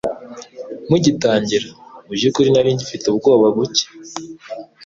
Mugitangira, mubyukuri nari ngifite ubwoba buke.